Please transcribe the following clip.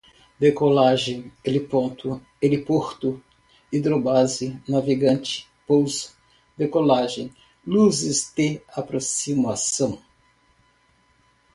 decolagem, heliponto, heliporto, hidrobase, navegante, pouso, decolagem, luzes de aproximação